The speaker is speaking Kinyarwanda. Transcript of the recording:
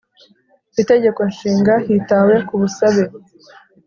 I Tegeko Nshinga, hitawe ku busabe